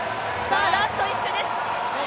ラスト１周です！